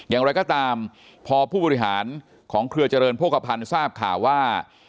อย่างไรก็ตามพอผู้บริหารของเครือเจริญโภคภัณฑ์ทราบข่าวว่า